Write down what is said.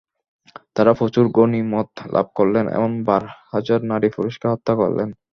তারা প্রচুর গণিমত লাভ করলেন এবং বার হাজার নারী-পুরুষকে হত্যা করলেন।